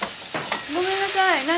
ごめんなさい！